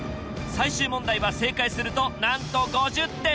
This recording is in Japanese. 最終問題は正解するとなんと５０点。